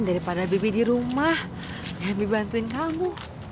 daripada bibi di rumah bibi bantuin kamu